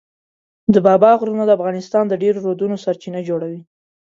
د بابا غرونه د افغانستان د ډېرو رودونو سرچینه جوړوي.